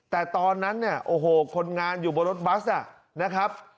แต่ตอนนั้นเนี่ยโอ้โหคนงานอยู่บนรถบัสนะครับ